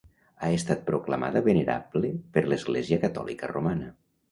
Ha estat proclamada venerable per l'Església Catòlica Romana.